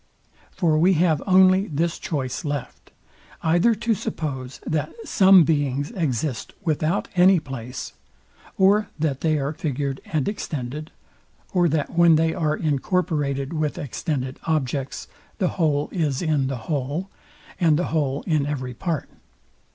For we have only this choice left, either to suppose that some beings exist without any place; or that they are figured and extended; or that when they are incorporated with extended objects, the whole is in the whole, and the whole in every part.